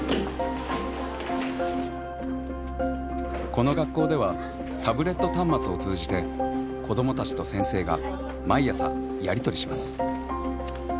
この学校ではタブレット端末を通じて子どもたちと先生が毎朝やり取りします。